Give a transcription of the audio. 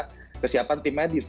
saya sebetulnya kesiapan tim medis